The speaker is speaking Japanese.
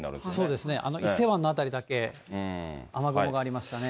そうですね、伊勢湾の辺りだけ、雨雲がありましたね。